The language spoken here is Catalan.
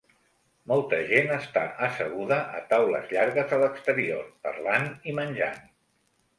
Molta gent està asseguda a taules llargues a l'exterior, parlant i menjant.